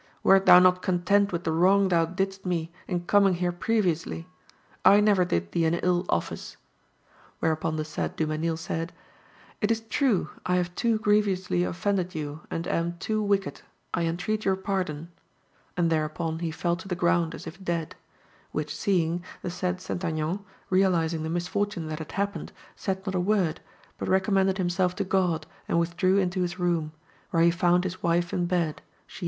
Wert thou not content with the wrong thou didst me in coming here previously? I never did thee an ill office.' Whereupon the said Dumesnil said: 'It is true, I have too grievously offended you, and am too wicked; I entreat your pardon.' And thereupon he fell to the ground as if dead; which seeing, the said St. Aignan, realising the misfortune that had happened, said not a word, but recommended himself to God and withdrew into his room, where he found his wife in bed, she having heard nothing.